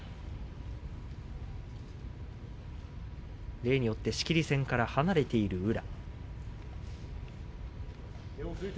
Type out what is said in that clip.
例によって仕切り線から離れている宇良。